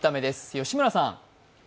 吉村さん。